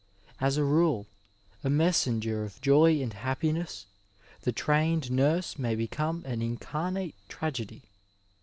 As a rule, a messenger of joy and happiness, the trained nurse may become an incarnate tragedy.